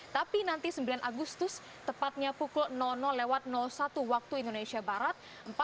tapi nanti sembilan agustus tepatnya pukul satu waktu indonesia barat